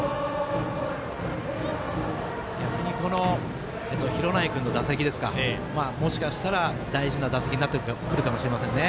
逆に廣内君の打席大事な打席になってくるかもしれませんね。